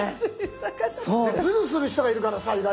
ズルする人がいるからさ意外と。